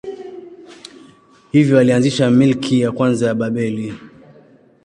Hivyo alianzisha milki ya kwanza ya Babeli.